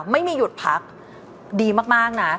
ไม่มีหยุดพักดีมากนะ